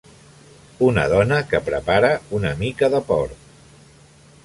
Una dona que prepara una mica de porc.